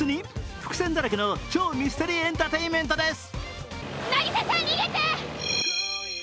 伏線だらけの超ミステリーエンターテインメントです。